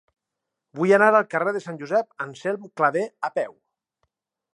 Vull anar al carrer de Josep Anselm Clavé a peu.